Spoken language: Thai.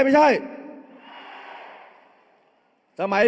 เอาข้างหลังลงซ้าย